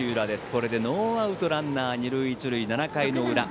これでノーアウトランナー、二塁一塁７回の裏。